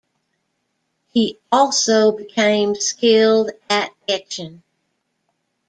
He also became skilled at etching.